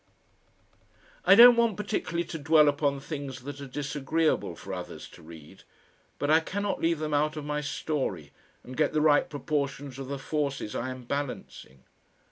I don't want particularly to dwell upon things that are disagreeable for others to read, but I cannot leave them out of my story and get the right proportions of the forces I am balancing.